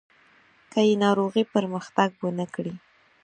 که یې ناروغي پرمختګ ونه کړي.